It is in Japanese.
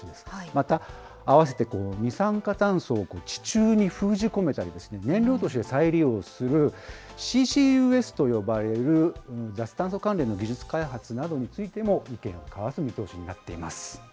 また併せて二酸化炭素を地中に封じ込めたり、燃料として再利用するＣＣＵＳと呼ばれる脱炭素関連の技術開発などについても意見を交わす見通しになっています。